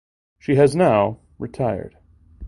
She has now retired.